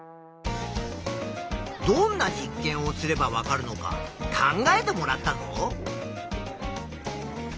どんな実験をすればわかるのか考えてもらったぞ。